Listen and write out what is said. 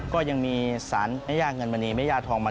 ก็ยังมีสรรไม่ยากเงินมณีไม่ยาทองมณี